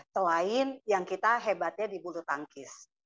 selain yang kita hebatnya di bulu tangkis